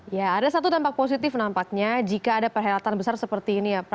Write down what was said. ya ada satu dampak positif nampaknya jika ada perhelatan besar seperti ini ya pak